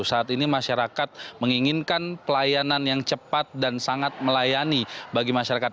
saat ini masyarakat menginginkan pelayanan yang cepat dan sangat melayani bagi masyarakat